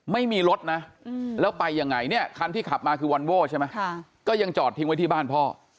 ไม่มีรถนะแล้วไปยังไงเนี่ยคันที่ขับมาคือวอนโว้ใช่ไหมก็ยังจอดทิ้งไว้ที่บ้านพ่อ